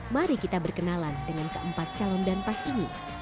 mari kita berkenalan dengan keempat calon danpas ini